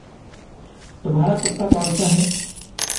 तुम्हारा कुत्ता कौनसा है?